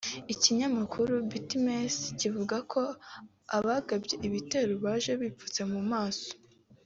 Ikinyamakuru Ibtimes kivuga ko abagabye ibitero baje bipfutse mu maso